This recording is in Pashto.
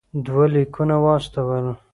دوه لیکونه واستول.